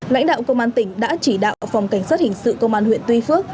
lãnh đạo công an tỉnh đã chỉ đạo phòng cảnh sát hình sự công an huyện tuy phước